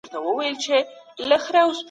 پانګه وال ښکېلاک د بشریت دښمن دی.